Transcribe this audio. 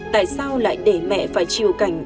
tại sao lại để mẹ phải chịu cảnh